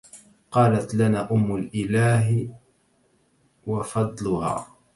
قالت لنا أم الإله وفضلها